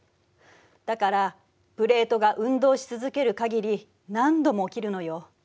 だからプレートが運動し続ける限り何度も起きるのよ。